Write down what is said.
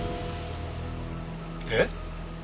えっ？